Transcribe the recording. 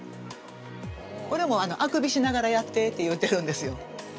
これも「あくびしながらやって」って言うてるんですよ。